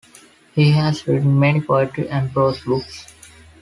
He has written many poetry and prose books.